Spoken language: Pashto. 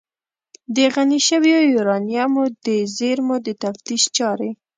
د غني شویو یورانیمو د زیرمو د تفتیش چارې